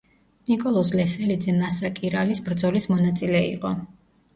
ნიკოლოზ ლესელიძე ნასაკირალის ბრძოლის მონაწილე იყო.